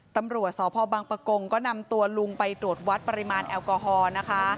ตำรวจสพบังปะกงก็นำตัวลุงไปตรวจวัดปริมาณแอลกอฮอล์นะคะ